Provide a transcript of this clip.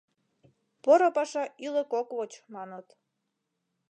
Поро паша ӱлык ок воч, маныт.